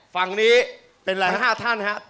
ฝั่งนี้๕ท่านครับ